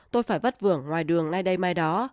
tôi phải vất vả ngoài đường nay đây mai đó